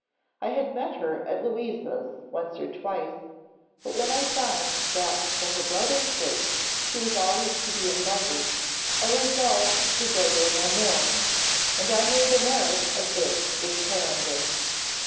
I had met her at Louisa's once or twice; but when I found that for her brother's sake she was always to be invited, I resolved to go there no more, and I made a merit of this with Clarendon.